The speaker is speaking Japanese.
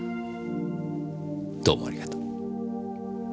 どうもありがとう。